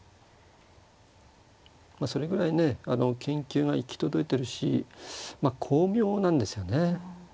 まあそれぐらいね研究が行き届いてるし巧妙なんですよね。